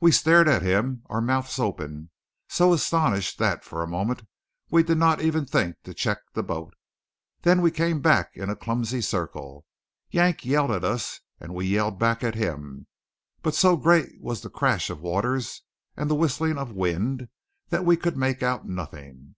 We stared at him, our mouths open, so astonished that for a moment we did not even think to check the boat. Then we came back in a clumsy circle. Yank yelled at us; and we yelled back at him; but so great was the crash of waters and the whistling of wind that we could make out nothing.